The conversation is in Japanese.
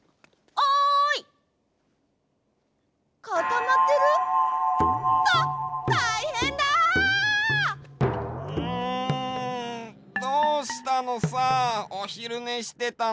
おひるねしてたのに。